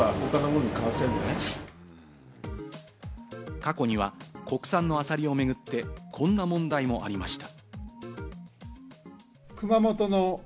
過去には国産のアサリをめぐって、こんな問題もありました。